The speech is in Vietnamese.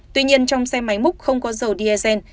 tuy nhiên trong xe máy múc không có dầu diesel